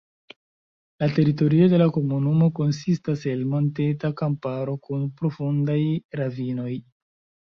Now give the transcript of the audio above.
La teritorio de la komunumo konsistas el monteta kamparo kun profundaj ravinoj.